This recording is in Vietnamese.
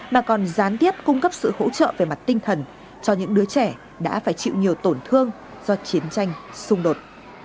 mà còn gián tiếp cung cấp sự hỗ trợ về mặt tinh thần cho những đứa trẻ đã phải chịu nhiều tổn thương do chiến tranh xung đột